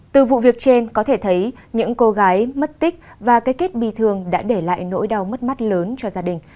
từ vụ việc trên có thể thấy những cô gái mất tích và cái kết bi thương đã để lại nỗi đau mất mắt lớn cho gia đình